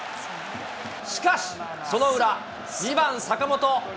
しかしその裏、２番坂本。